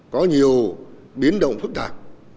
có nhiều biến động phức tạp